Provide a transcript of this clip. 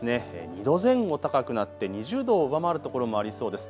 ２度前後高くなって２０度を上回るところもありそうです。